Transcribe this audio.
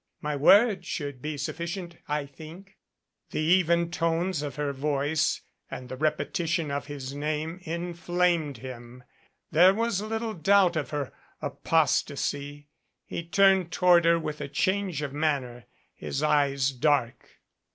"My word should be sufficient, I think." The even tones of her voice and the repetition of his name inflamed him. There was little doubt of her apos tasy. He turned toward her with a change of manner, his eyes dark.